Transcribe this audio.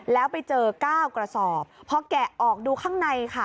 แล้วไปเจอ๙กระสอบพอแกะออกดูข้างในค่ะ